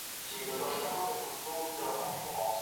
سياسي پروګرامونه تل نه پلي کېږي.